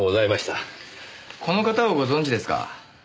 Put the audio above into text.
この方をご存じですか？